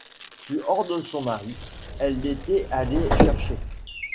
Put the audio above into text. Sur l’ordre de son mari, elle l’était allée chercher.